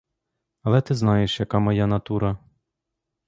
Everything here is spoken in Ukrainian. Але ти знаєш, яка моя натура.